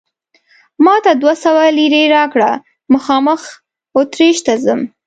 ما ته دوه سوه لیرې راکړه، مخامخ اتریش ته ځم.